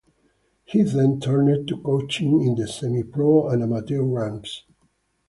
He then turned to coaching in the semi-pro and amateur ranks.